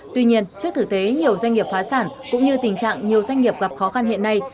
tuy nhiên trước thực tế nhiều doanh nghiệp phá sản cũng như tình trạng nhiều doanh nghiệp gặp khó khăn hiện nay